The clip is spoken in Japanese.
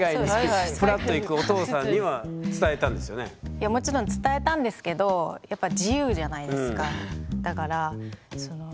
いやもちろん伝えたんですけどやっぱわけですよ。